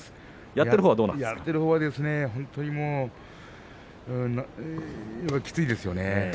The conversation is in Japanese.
やっているほうはきついですよね。